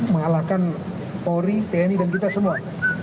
mengalahkan ori pni dan kita semua